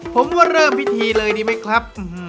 ผมว่าเริ่มพิธีเลยดีไหมครับ